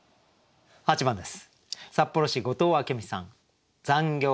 ８番です。